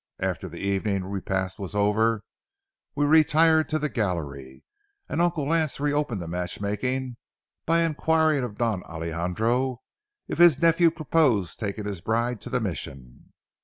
After the evening repast was over we retired to the gallery, and Uncle Lance reopened the matchmaking by inquiring of Don Alejandro if his nephew proposed taking his bride to the Mission.